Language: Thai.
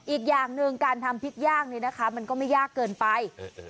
อีกอย่างหนึ่งการทำพริกย่างนี้นะคะมันก็ไม่ยากเกินไป